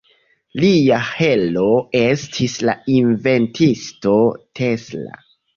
Lia heroo estis la inventisto Tesla.